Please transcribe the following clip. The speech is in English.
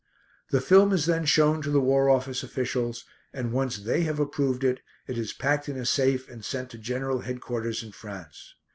The film is then shown to the War Office officials, and once they have approved it, it is packed in a safe and sent to General Headquarters in France.